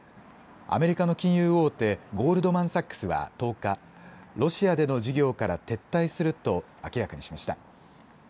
アメリカの金融大手、ゴールドマン・サックスは１０日、ロシアでの事業から撤退すると明らかにしました。